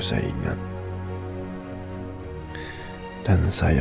saya angkat keluar ya